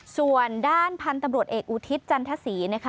ส่วนด้านพันธุ์ตำรวจเอกอุทิศจันทศรีนะคะ